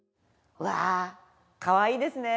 うわかわいいですね。